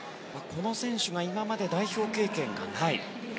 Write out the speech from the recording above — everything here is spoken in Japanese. この選手が今まで代表経験がない。